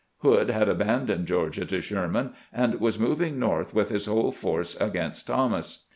Hood had abandoned Georgia to Sherman, and was moving north with his whole force against Thomas.